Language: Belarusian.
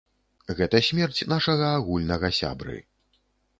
Гэта смерць нашага агульнага сябры.